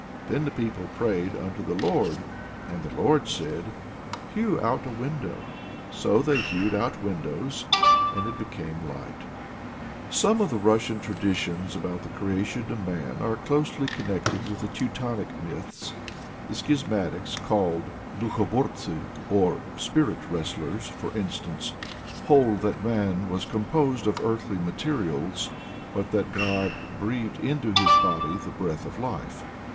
Then the people prayed unto the Lord. And the Lord said: 'Hew out a window!' So they hewed out windows, and it became light." Some of the Russian traditions about the creation of man are closely connected with Teutonic myths. The Schismatics called Dukhobortsui, or Spirit Wrestlers, for instance, hold that man was composed of earthly materials, but that God breathed into his body the breath of life.